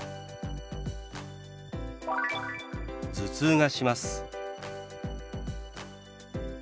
「頭痛がします」。